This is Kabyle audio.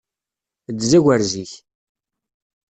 Ddez agerz-ik!